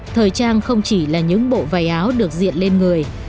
thời trang không chỉ là những bộ váy áo được diện lên người